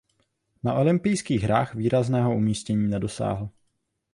Na olympijských hrách výrazného umístění nedosáhl.